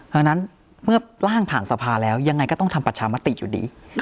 ดังนั้นเมื่อร่างผ่านสภาแล้วยังไงก็ต้องทำประชามติอยู่ดี